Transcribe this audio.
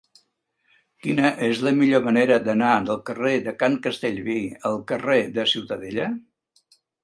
Quina és la millor manera d'anar del carrer de Can Castellví al carrer de Ciutadella?